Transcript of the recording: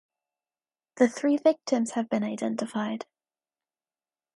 The three victims have been identified.